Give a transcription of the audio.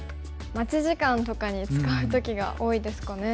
待ち時間とかに使う時が多いですかね。